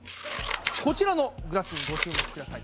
こちらのグラスにご注目ください。